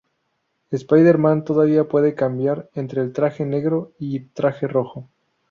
Spider-Man todavía puede cambiar entre el traje negro y traje rojo.